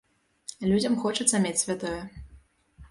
Людзям хочацца мець святое.